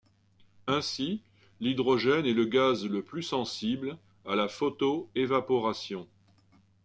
Ainsi l'hydrogène est le gaz le plus sensible à la photo-évaporation.